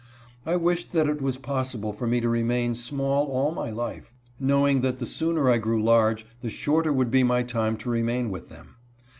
I wished that it was possible for me to remain small all my life, knowing that the sooner I grew large the shorter would be my time to remain with them.